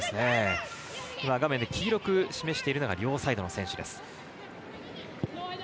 画面で黄色く示しているのが両サイドの選手です。